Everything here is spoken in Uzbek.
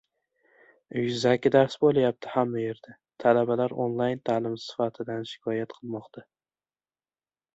«Yuzaki dars bo‘lyapti hamma yerda» — talabalar onlayn ta’lim sifatidan shikoyat qilmoqda